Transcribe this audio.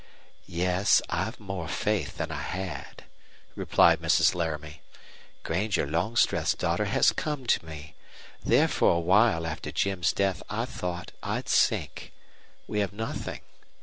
"Yes, I've more faith than I had," replied Mrs. Laramie. "Granger Longstreth's daughter has come to me. There for a while after Jim's death I thought I'd sink. We have nothing.